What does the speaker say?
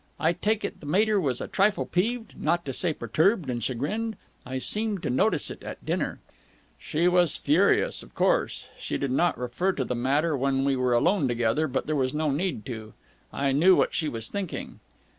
I take it the mater was a trifle peeved? Not to say perturbed and chagrined? I seemed to notice it at dinner." "She was furious, of course. She did not refer to the matter when we were alone together, but there was no need to. I knew what she was thinking."